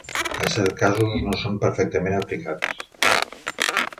A certs casos, no són perfectament aplicats.